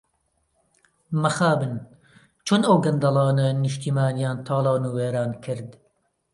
مخابن چۆن ئەو گەندەڵانە نیشتمانیان تاڵان و وێران کرد.